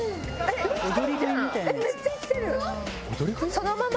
めっちゃ生きてる！